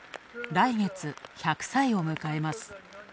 来月、１００歳を迎えます。